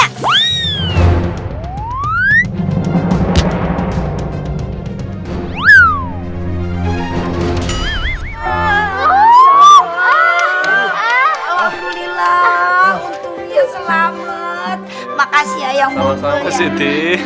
ah ah ah ah alhamdulillah untuknya selamat makasih yang mau ke sini